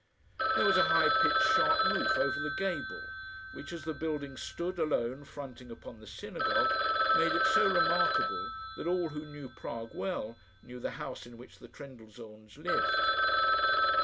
There was a high pitched sharp roof over the gable, which, as the building stood alone fronting upon the synagogue, made it so remarkable, that all who knew Prague well, knew the house in which the Trendellsohns lived.